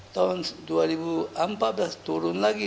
tahun dua ribu empat belas turun lagi